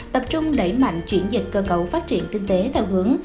tập trung đẩy mạnh chuyển dịch cơ cầu phát triển kinh tế tạo hướng